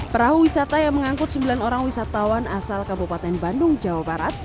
perahu wisata yang mengangkut sembilan orang wisatawan asal kabupaten bandung jawa barat